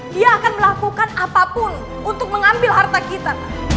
dia akan melakukan apapun untuk mengambil harta kita